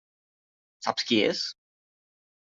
Saps qui és?